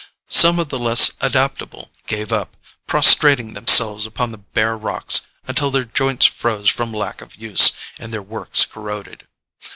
Some of the less adaptable gave up, prostrating themselves upon the bare rocks until their joints froze from lack of use, and their works corroded.